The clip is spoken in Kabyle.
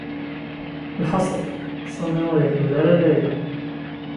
Lḥaṣul Sami ur iḥemmel ara Layla.